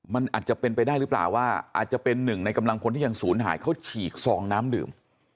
มันอาจจะเป็นไปได้หรือเปล่าว่าอาจจะเป็นหนึ่งในกำลังพลที่ยังศูนย์หายเขาฉีกซองน้ำดื่ม